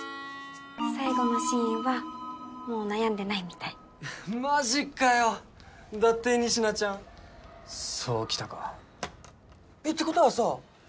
最後のシーンはもう悩んでないみたいマジかよだって仁科ちゃんそうきたかえっってことはさ